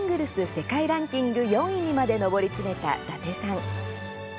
世界ランキング４位にまで上り詰めた伊達さん。